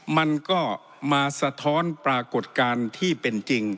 มันก็มาสะท้อนปรากฏการณ์ที่เป็นจริง